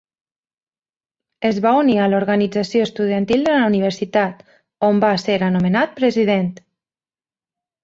Es va unir a l'Organització Estudiantil de la universitat, on va ser nomenat president.